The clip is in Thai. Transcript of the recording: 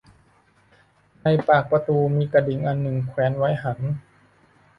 ในปากประตูมีกระดิ่งอันหนึ่งแขวนไว้หั้น